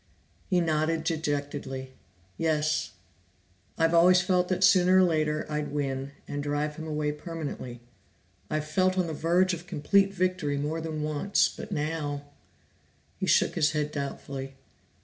He nodded dejectedly. "Yes. I've always felt that sooner or later I'd win, and drive him away permanently. I've felt on the verge of complete victory more than once, but now " He shook his head doubtfully.